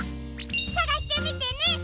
さがしてみてね！